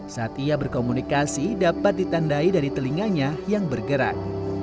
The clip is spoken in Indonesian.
saat ia berkomunikasi dapat ditandai dari telinganya yang bergerak